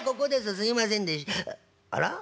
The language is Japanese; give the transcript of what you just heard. すいませんでしあら？